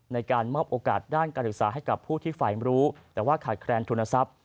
ในการมอบโอกาสด้านการศึกษาให้กับผู้ที่ฝ่ายรู้แต่ว่าขาดแคลนทุนทรัพย์